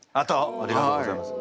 ありがとうございます。